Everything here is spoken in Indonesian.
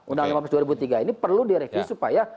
undang lima belas dua ribu tiga ini perlu direvisi supaya